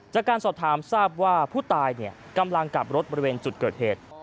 จากการสอบถามทราบว่าผู้ตายกำลังกลับรถบริเวณจุดเกิดเหตุ